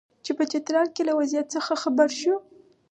چې په چترال کې له وضعیت څخه خبر شو.